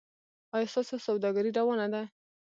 ایا ستاسو سوداګري روانه ده؟